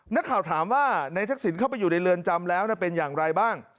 นักข่าวถามว่านายทักษิณเข้าไปอยู่ในเรือนจำแล้วเป็นอย่างไรบ้าง